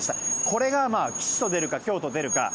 これが吉と出るか凶と出るか。